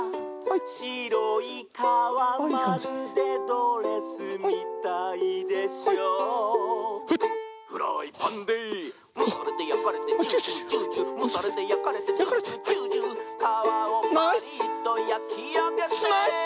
「しろいかわまるでドレスみたいでしょ」「フライパンでむされてやかれてジュージュージュージュー」「むされてやかれてジュージュージュージュー」「かわをパリッとやきあげて」